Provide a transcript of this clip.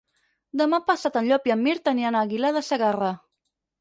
Demà passat en Llop i en Mirt aniran a Aguilar de Segarra.